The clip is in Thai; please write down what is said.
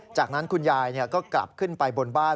จากนั้นคุณยายก็กลับขึ้นไปบนบ้าน